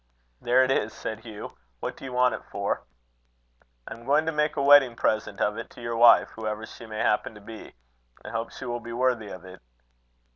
"There it is," said Hugh. "What do you want it for?" "I am going to make a wedding present of it to your wife, whoever she may happen to be. I hope she will be worthy of it."